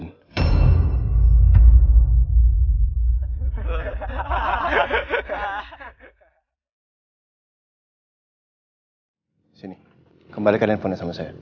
di sini kembalikan handphonenya sama saya